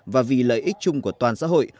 và vì lợi ích chung của toàn xã hội